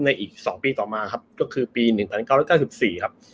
อีก๒ปีต่อมาครับก็คือปี๑๙๙๔ครับ